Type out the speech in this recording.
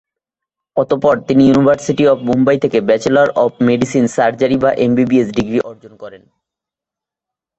অতঃপর, তিনি university of Mumbai থেকে ব্যাচেলর অব মেডিসিন সার্জারি বা এমবিবিএস ডিগ্রি অর্জন করেন।